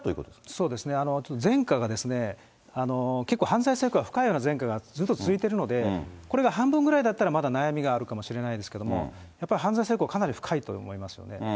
そうですね、前科が結構犯罪性交が深くて、ずっと続いてるので、これが半分ぐらいだったらまだ悩みがあるかもしれないですけれども、やっぱり犯罪性交がかなり深いと思いますね。